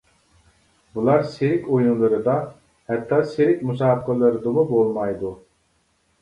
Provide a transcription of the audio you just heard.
بۇلار سېرك ئويۇنلىرىدا، ھەتتا سېرك مۇسابىقىلىرىدىمۇ بولمايدۇ.